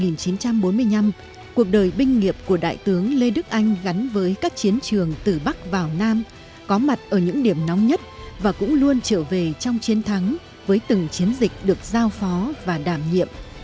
năm một nghìn chín trăm bốn mươi năm cuộc đời binh nghiệp của đại tướng lê đức anh gắn với các chiến trường từ bắc vào nam có mặt ở những điểm nóng nhất và cũng luôn trở về trong chiến thắng với từng chiến dịch được giao phó và đảm nhiệm